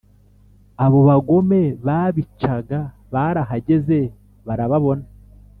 abo bagome babicaga barahageze barababona